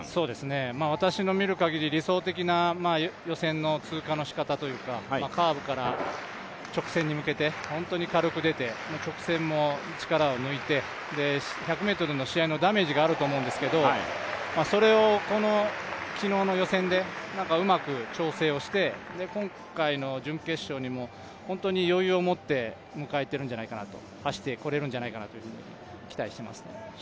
私の見るかぎり理想的な予選の通過のしかたというか、カーブから直線に向けて本当に軽く出て直線も力を抜いて、１００ｍの試合のダメージがあると思うんですけどそれをこの昨日の予選でうまく調整をして今回の準決勝、本当に余裕をもって迎えて走ってこれるんじゃないかなと期待しています。